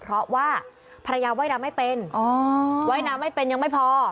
เพราะว่าภรรยาว่ายน้ำไม่เป็นว่ายน้ำไม่เป็นยังไม่พอ